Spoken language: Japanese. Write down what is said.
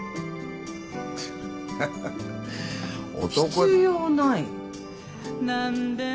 必要ない。